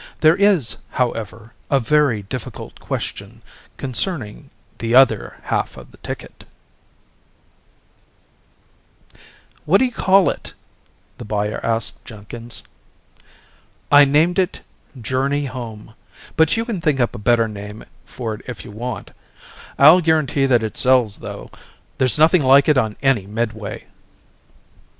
There is, however, a very difficult question concerning the other half of the ticket ... BY RICHARD F. THIEME Illustrated by George Schelling "What do you call it?" the buyer asked Jenkins. "I named it 'Journey Home' but you can think up a better name for it if you want. I'll guarantee that it sells, though. There's nothing like it on any midway."